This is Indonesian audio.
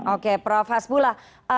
oke prof hasbullah